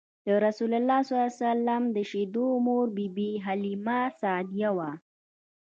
رسول الله ﷺ د شیدو مور بی بی حلیمه سعدیه وه.